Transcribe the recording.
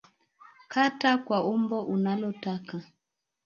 Kata kwa umbo unalotaka